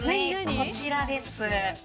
こちらです。